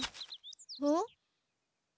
ん？